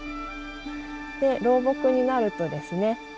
老木になるとですね